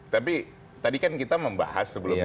tapi tadi kan kita membahas sebelumnya